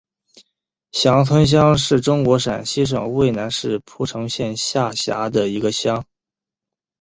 翔村乡是中国陕西省渭南市蒲城县下辖的一个乡。